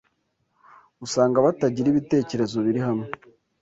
usanga batagira ibitekerezo biri hamwe,